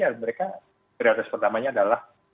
ya mereka prioritas pertamanya adalah